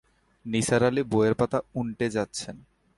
নিসার আলি বইয়ের পাতা উন্টে যাচ্ছেন।